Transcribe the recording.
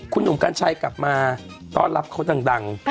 คุณหนุ่มกัญชัยกลับมาต้อนรับเขาดัง